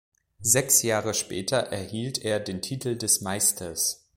Sechs Jahre später erhielt er den Titel des Meisters.